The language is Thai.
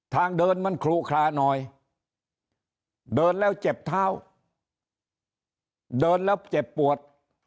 ทางเดินมันคลูคลาหน่อยเดินแล้วเจ็บเท้าเดินแล้วเจ็บปวด